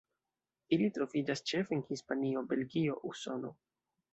Ili troviĝas ĉefe en Hispanio, Belgio, Usono.